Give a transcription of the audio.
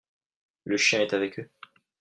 Le chien est avec eux.